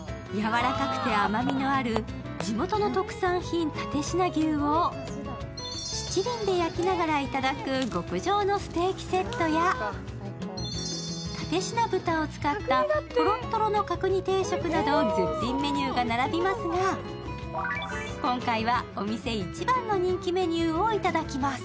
やわらかくて甘みのある地元の特産品、蓼科牛を七輪で焼きながらいただく極上のステーキセットや蓼科豚を使ったトロットロの角煮定食など絶品メニューが並びますが、今回はお店一番の人気メニューをいただきます。